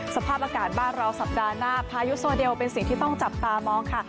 สภาพอากาศบ้านเราสัปดาห์หน้าพายุโซเดลเป็นสิ่งที่ต้องจับตามองค่ะ